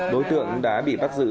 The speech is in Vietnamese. đối tượng đã bị bắt giữ